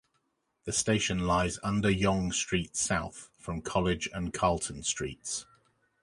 The station lies under Yonge Street south from College and Carlton streets.